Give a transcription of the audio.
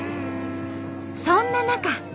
そんな中。